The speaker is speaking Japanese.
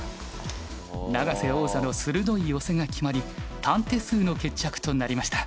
永瀬王座の鋭い寄せが決まり短手数の決着となりました。